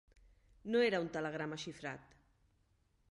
No era un telegrama xifrat.